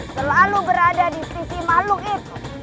selalu berada di sisi makhluk itu